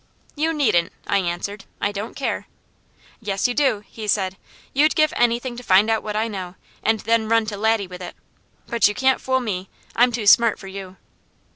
"You needn't!" I answered, "I don't care!" "Yes you do," he said. "You'd give anything to find out what I know, and then run to Laddie with it, but you can't fool me. I'm too smart for you."